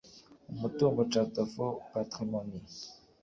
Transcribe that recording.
Umutungo chapter iv patrimony